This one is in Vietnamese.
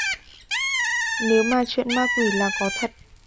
Nếu mà chuyện ma quỷ là có thật